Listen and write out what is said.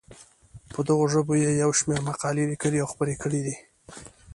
په دغو ژبو یې یو شمېر مقالې لیکلي او خپرې کړې دي.